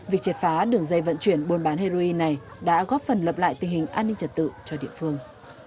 việc triệt phá đường dây vận chuyển buôn bán heroin này đã góp phần lập lại tình hình an ninh trật tự cho địa phương